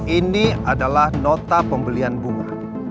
ini adalah nota pembelian bunga